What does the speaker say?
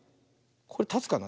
これたつかな。